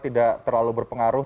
tidak terlalu berpengaruh